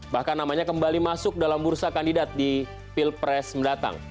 bahkan namanya kembali masuk dalam bursa kandidat di pilpres mendatang